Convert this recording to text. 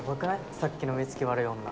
さっきの目つき悪い女。